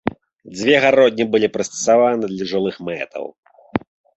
Дзве гародні былі прыстасаваныя для жылых мэтаў.